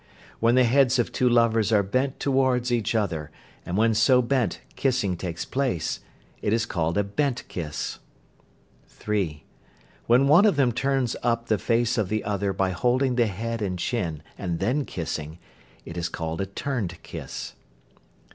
When the heads of two lovers are bent towards each other, and when so bent kissing takes place, it is called a "bent kiss." (3). When one of them turns up the face of the other by holding the head and chin, and then kissing, it is called a "turned kiss."